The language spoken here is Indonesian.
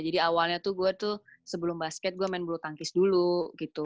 jadi awalnya tuh gue tuh sebelum basket gue main bulu tangkis dulu gitu